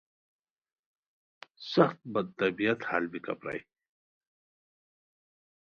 سخت بد طبیعت ہال بیکہ پرائے